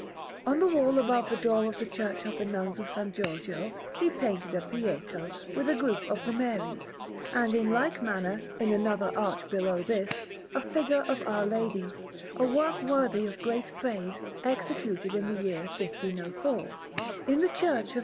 On the wall above the door of the Church of the Nuns of S. Giorgio, he painted a Pietà, with a group of the Maries; and in like manner, in another arch below this, a figure of Our Lady, a work worthy of great praise, executed in the year 1504. In the Church of S.